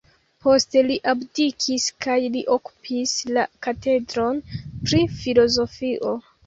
Poste li abdikis kaj li okupis la katedron pri filozofio.